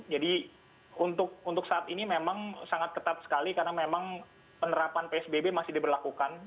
jadi untuk saat ini memang sangat ketat sekali karena memang penerapan psbb masih diberlakukan